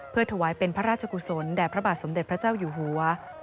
เพื่อถวายเป็นพระราชกุศลแด่พระบาทสมเด็จพระเจ้าอยู่หัว